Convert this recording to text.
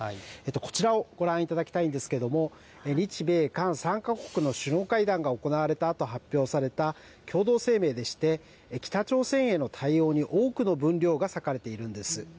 こちらをご覧いただきたいんですけれども、日米韓３か国の首脳会談が行われたあと発表された共同声明でして、北朝鮮への対応に多くの分量が割かれているんです。